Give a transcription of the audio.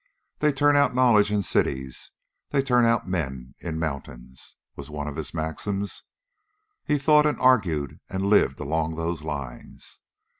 'They turn out knowledge in cities; they turn out men in mountains,' was one of his maxims. He thought and argued and lived along those lines.